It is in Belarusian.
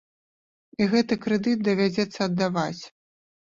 І гэты крэдыт давядзецца аддаваць.